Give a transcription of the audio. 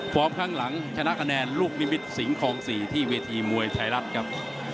ข้างหลังชนะคะแนนลูกนิมิตรสิงคลอง๔ที่เวทีมวยไทยรัฐครับ